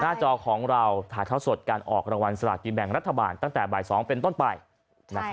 จอของเราถ่ายเท่าสดการออกรางวัลสลากินแบ่งรัฐบาลตั้งแต่บ่าย๒เป็นต้นไปนะครับ